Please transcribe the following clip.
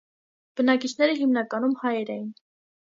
Բնակիչները հիմնականում հայեր էին։